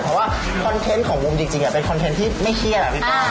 เพราะว่าคอนเทนต์ของมุมจริงเป็นคอนเทนต์ที่ไม่เครียดอะพี่ก้า